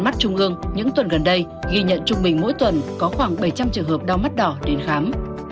mắt trung ương những tuần gần đây ghi nhận trung bình mỗi tuần có khoảng bảy trăm linh trường hợp đau mắt đỏ đến khám